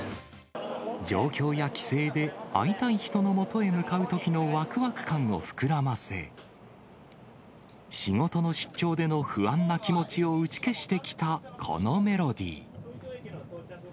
上京や帰省で会いたい人のもとへ向かうときのわくわく感を膨らませ、仕事の出張での不安な気持ちを打ち消してきたこのメロディー。